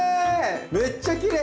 めっちゃきれい！